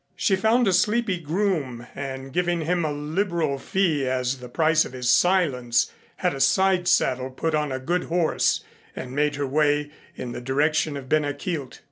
She found a sleepy groom and, giving him a liberal fee as the price of his silence, had a side saddle put on a good horse and made her way in the direction of Ben a Chielt.